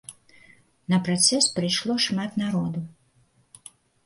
На працэс прыйшло шмат народу.